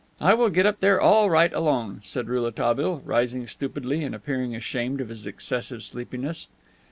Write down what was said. I will get up there all right alone," said Rouletabille, rising stupidly and appearing ashamed of his excessive sleepiness.